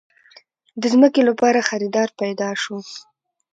د ځمکې لپاره خريدار پېدا شو.